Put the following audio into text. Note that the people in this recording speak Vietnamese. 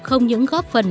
không những góp phần